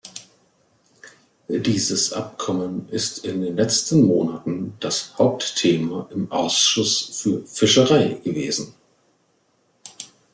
Dieses Abkommen ist in den letzten Monaten das Hauptthema im Ausschuss für Fischerei gewesen.